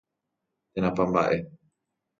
Térãpa mbaʼe.